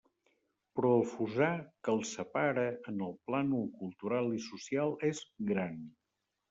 Però el fossar que els separa en el plànol cultural i social és gran.